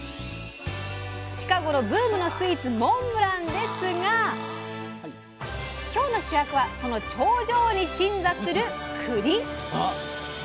近頃ブームのスイーツモンブラン！ですが今日の主役はその頂上に鎮座する「くり」。